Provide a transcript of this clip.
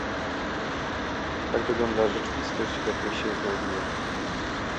Tak wygląda rzeczywistość, w jakiej się znajdujemy